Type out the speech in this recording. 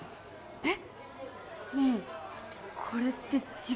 えっ